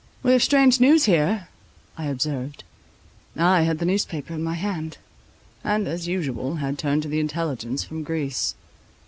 "We have strange news here," I observed. I had the newspaper in my hand, and, as usual, had turned to the intelligence from Greece.